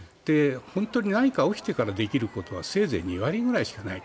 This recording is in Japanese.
本当に何か起きてからできることはせいぜい２割くらいしかない。